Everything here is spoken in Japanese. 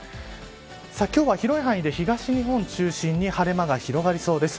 今日は広い範囲で東日本中心に晴れ間が広がりそうです。